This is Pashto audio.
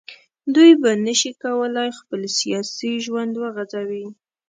دوی به نه شي کولای خپل سیاسي ژوند وغځوي